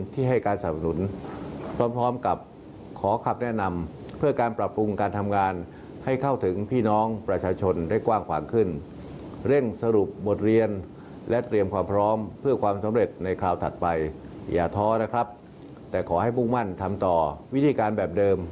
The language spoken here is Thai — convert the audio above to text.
แต่ขอให้ภูมิมั่นทำต่อวิธีการแบบเดิม